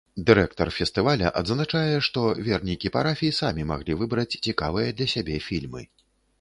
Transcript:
Дырэктар фестываля адзначае, што вернікі парафій самі маглі выбраць цікавыя для сябе фільмы.